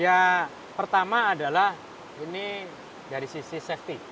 ya pertama adalah ini dari sisi safety